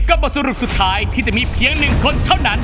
ก็เป็นสรุปสุดท้ายที่จะมีเพียงหนึ่งคนเท่านั้น